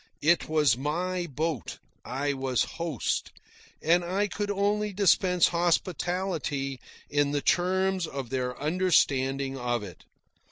It was my boat, I was host, and I could only dispense hospitality in the terms of their understanding of it.